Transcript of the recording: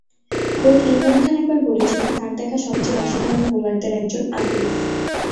খোদ ইমরান খান একবার বলেছিলেন, তাঁর দেখা সবচেয়ে অসাধারণ বোলারদের একজন আসিফ।